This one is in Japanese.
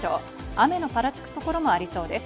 雨のパラつくところもありそうです。